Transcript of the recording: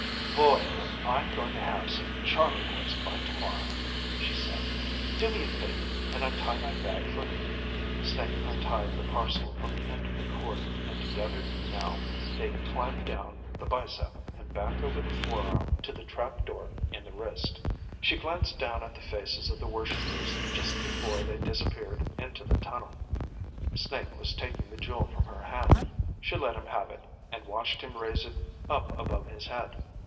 "Boy, am I going to have some Charley horse by tomorrow," she said. "Do me a favor and untie my bag for me?" Snake untied the parcel from the end of the cord, and together now they climbed down the bicep and back over the forearm to the trap door in the wrist. She glanced down at the faces of the worshipers just before they disappeared into the tunnel. Snake was taking the jewel from her hand. She let him have it, and watched him raise it up above his head.